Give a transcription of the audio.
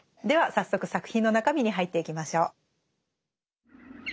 では早速作品の中身に入っていきましょう。